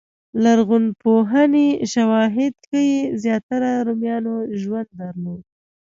لرغونپوهنې شواهد ښيي زیاتره رومیانو ژوند درلود.